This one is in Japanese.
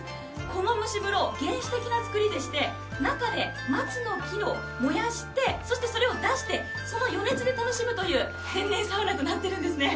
この蒸し風呂、原始的な作りでして中で松の木を燃やして、それを出してその余熱で楽しむという天然サウナとなってくいるんですね。